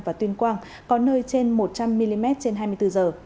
và tuyên quang có nơi trên một trăm linh mm trên hai mươi bốn giờ